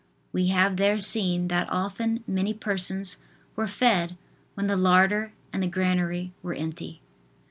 We have there seen that often many persons were fed when the larder and the granary were empty.